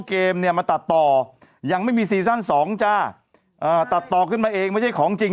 เชื่อว่าหลายคนคงเข้าใจแบบนี้แน่เลย